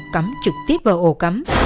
cấm trực tiếp vào ổ cấm